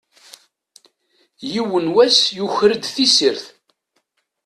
Yiwen n wass yuker-d tissirt.